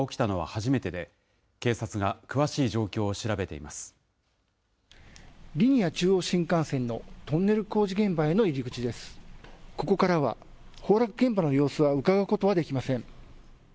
ここからは崩落現場の様子はうかがうことはできません。